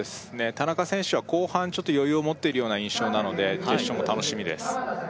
田中選手は後半ちょっと余裕を持ってるような印象なので決勝も楽しみです